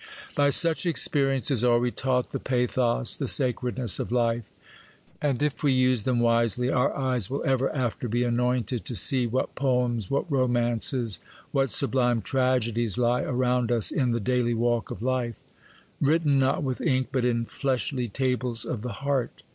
By such experiences are we taught the pathos, the sacredness of life; and if we use them wisely, our eyes will ever after be anointed to see what poems, what romances, what sublime tragedies lie around us in the daily walk of life, 'written not with ink, but in fleshly tables of the heart.